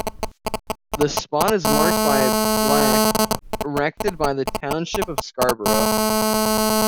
The spot is marked by a plaque erected by the Township of Scarborough.